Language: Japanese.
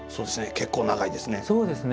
結構長いですね。